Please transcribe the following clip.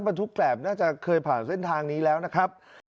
บรรทุกแกรบน่าจะเคยผ่านเส้นทางนี้แล้วนะครับ